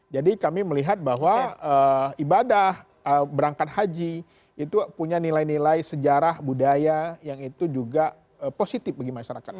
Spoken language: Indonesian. jadi kami melihat bahwa ibadah berangkat haji itu punya nilai nilai sejarah budaya yang itu juga positif bagi masyarakat